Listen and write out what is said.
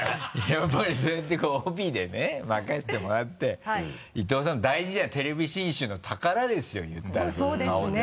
やっぱりそうやってこう帯でね任せてもらって伊東さんも大事だテレビ信州の宝ですよ言ったら顔って。